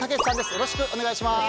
よろしくお願いします。